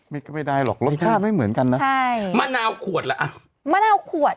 ก็ไม่ได้หรอกรสชาติไม่เหมือนกันนะใช่มะนาวขวดล่ะอ้าวมะนาวขวด